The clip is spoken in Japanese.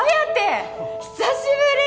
久しぶり！